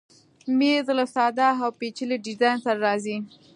مېز له ساده او پیچلي ډیزاین سره راځي.